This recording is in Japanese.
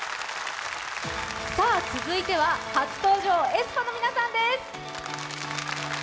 続いては初登場、ａｅｓｐａの皆さんです。